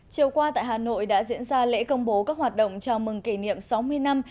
chiều qua tại hà nội đã diễn ra lễ công bố các hoạt động chào mừng kỷ niệm sáu mươi năm